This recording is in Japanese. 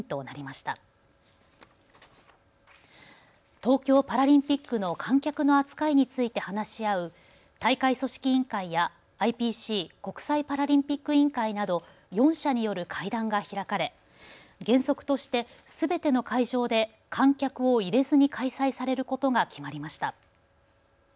東京パラリンピックの観客の扱いについて話し合う大会組織委員会やＩＰＣ・国際パラリンピック委員会など４者による会談が開かれ原則として、すべての会場で観客を入れずに開催されることが決まりました。